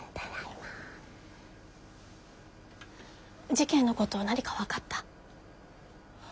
事件のこと何か分かった？